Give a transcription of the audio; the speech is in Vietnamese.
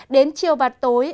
đến chiều và tối